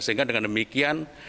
sehingga dengan demikian